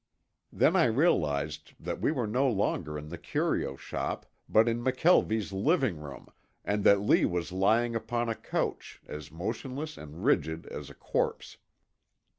Then I realized that we were no longer in the curio shop, but in McKelvie's living room, and that Lee was lying upon a couch, as motionless and rigid as a corpse.